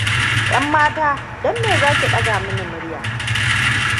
'Yan mata, don me zaki ɗaga mini murya?